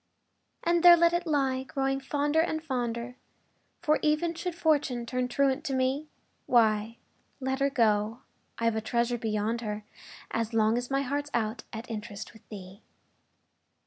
And there let it lie, growing fonder and, fonder For, even should Fortune turn truant to me, Why, let her go I've a treasure beyond her, As long as my heart's out at interest With thee!